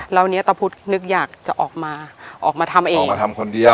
แล้วเนี้ยตะพุทธนึกอยากจะออกมาออกมาทำเองออกมาทำคนเดียว